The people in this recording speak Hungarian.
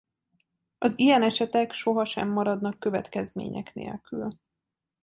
Az ilyen esetek sohasem maradnak következmények nélkül.